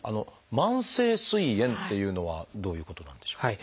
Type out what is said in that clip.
慢性すい炎っていうのはどういうことなんでしょう？